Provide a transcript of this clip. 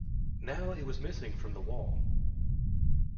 Now it was missing from the wall.